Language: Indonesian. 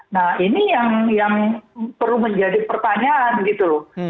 nah ini yang perlu menjadi pertanyaan gitu loh